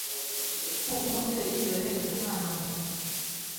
nkuko umubyeyi yohereza umwana mu rwuri